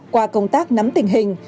qua công tác nắm tình hình